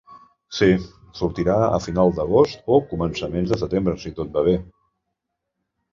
Sí, sortirà a final d’agost o començament de setembre si tot va bé.